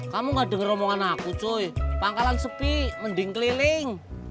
kamu gak denger romongan aku joy pangkalan sepi mending keliling